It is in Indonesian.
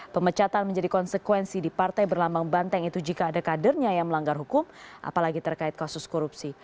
pemecatan menjadi konsekuensi di partai berlambang banteng itu jika ada kadernya yang melanggar hukum apalagi terkait kasus korupsi